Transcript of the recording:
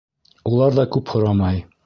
Улар ҙа күп һорамай.